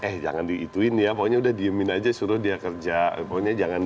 eh jangan dihituin ya pokoknya udah diemin aja suruh dia kerja pokoknya jangan